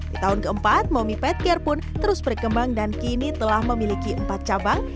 di tahun keempat momi padcare pun terus berkembang dan kini telah memiliki empat cabang